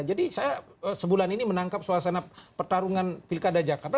jadi saya sebulan ini menangkap suasana pertarungan pilkada jakarta